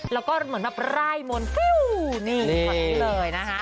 แล้วก็เหมือนแบบไร่มนต์ฟิวนี่ช็อตนี้เลยนะคะ